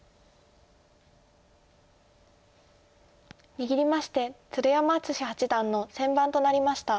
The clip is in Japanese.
握りまして鶴山淳志八段の先番となりました。